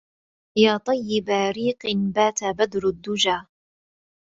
يا طيب ريق بات بدر الدجى